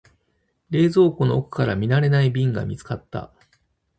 冷蔵庫の奥から見慣れない瓶が見つかった。